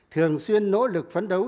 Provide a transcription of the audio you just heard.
thường xuyên nỗ lực phấn đấu